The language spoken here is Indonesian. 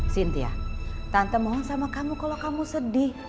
cynthia tante mohon sama kamu kalau kamu sedih